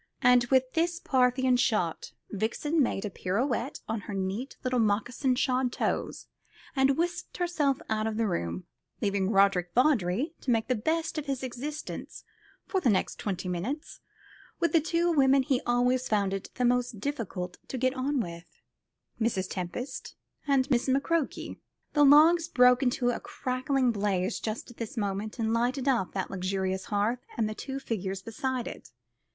And with this Parthian shot, Vixen made a pirouette on her neat little morocco shod toes, and whisked herself out of the room; leaving Roderick Vawdrey to make the best of his existence for the next twenty minutes with the two women he always found it most difficult to get on with, Mrs. Tempest and Miss McCroke. The logs broke into a crackling blaze just at this moment, and lighted up that luxurious hearth and the two figures beside it.